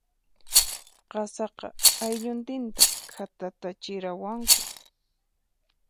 Qasaqa, aylluntinta khatatatachiwaranku.